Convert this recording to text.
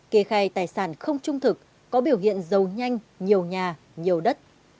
kê khai tài sản không trung thực có biểu hiện giàu nhanh nhiều nhà nhiều đất